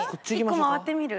１個回ってみる？